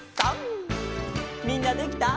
みんなできた？